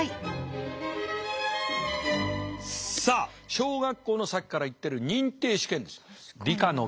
さあ小学校のさっきから言ってる認定試験です。